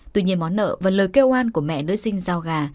tuy nhiên món nợ và lời kêu oan của mẹ nữ sinh giao gà